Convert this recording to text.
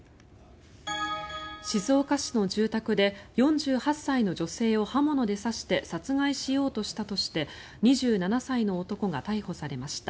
静岡市の住宅で４８歳の女性を刃物で刺して殺害しようとしたとして２７歳の男が逮捕されました。